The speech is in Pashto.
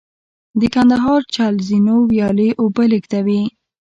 د کندهار چل زینو ویالې اوبه لېږدوي